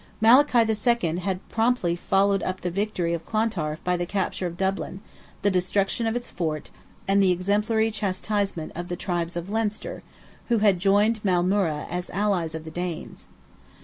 Malachy II. had promptly followed up the victory of Clontarf by the capture of Dublin, the destruction of its fort, and the exemplary chastisement of the tribes of Leinster, who had joined Maelmurra as allies of the Danes.